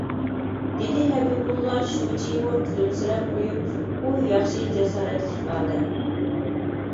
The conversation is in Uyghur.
دېدى ھەبىبۇللا شۇجىمۇ كۈلۈمسىرەپ قويۇپ، ئۇ ياخشى، جاسارەتلىك ئادەم.